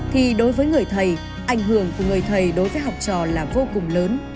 thì đối với người thầy ảnh hưởng của người thầy đối với học trò là vô cùng lớn